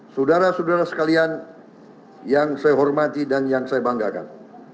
saudara saudara sekalian yang saya hormati dan yang saya banggakan